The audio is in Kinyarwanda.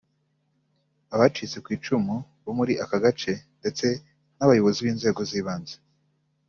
Abacitse ku icumu bo muri aka gace ndetse n’abayobozi b’inzego z’ibanze